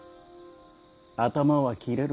頭は切れる。